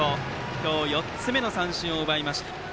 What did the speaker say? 今日４つ目の三振を奪いました湯田。